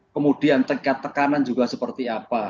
kemudian tingkat tekanan juga seperti apa